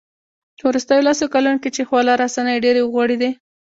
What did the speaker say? په وروستیو لسو کلونو کې چې خواله رسنۍ ډېرې وغوړېدې